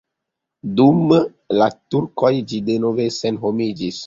Dum la turkoj ĝi denove senhomiĝis.